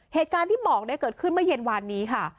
เหตุการณ์ที่บอกเกิดขึ้นเมื่อเย็นวานนี้ค่ะ